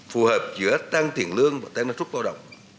phù hợp giữa tăng tiền lương và tăng năng suất lao động